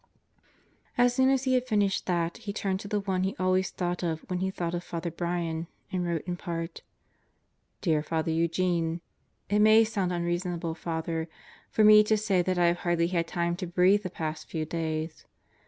... As soon as he had finished that, he turned to the one he always thought of when he thought of Father Brian and wrote in part: Dear Father Eugene: It may sound unreasonable, Father, for me to say that I have hardly had time to breathe the past few days.